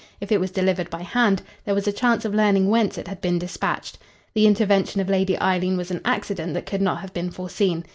If it was delivered by hand, there was a chance of learning whence it had been dispatched. The intervention of Lady Eileen was an accident that could not have been foreseen.